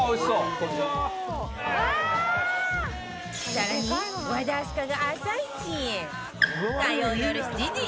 更に和田明日香が朝市へ